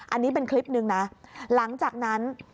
อันนี้เป็นคลิปหนึ่งนะหลังจากนั้น